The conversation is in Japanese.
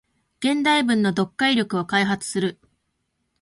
現代文の読解力を開発する